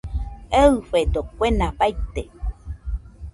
Eɨfedo kuena baite